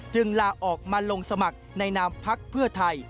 จึงล่าออกมาลงสมัครในนามภักดิ์เพื่อไทย